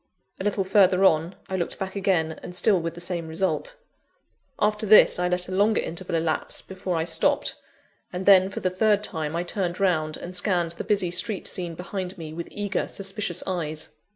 A little further on, I looked back again, and still with the same result. After this, I let a longer interval elapse before I stopped; and then, for the third time, I turned round, and scanned the busy street scene behind me, with eager, suspicious eyes.